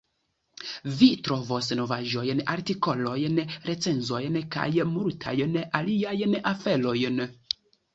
Vi trovos novaĵojn, artikolojn, recenzojn kaj multajn aliajn aferojn.